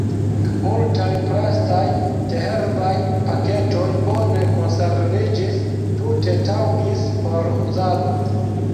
Multaj plastaj teherbaj paketoj bone konserviĝis, tute taŭgis por uzado.